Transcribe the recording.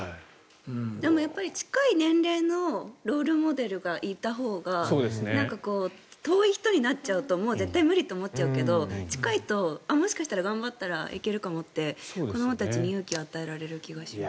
でも、近い年齢のロールモデルがいたほうが遠い人になっちゃうと絶対無理って思っちゃうけど近いと、もしかしたら頑張ったらいけるかもって子どもたちに勇気を与えられる気がします。